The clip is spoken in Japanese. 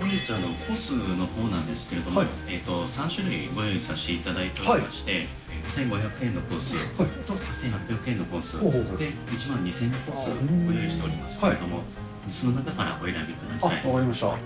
本日コースのほうなんですけれども、３種類ご用意させていただいておりまして、５５００円のコースと、８８００円のコース、１万２０００円のコース、ご用意しておりますけれども、分かりました。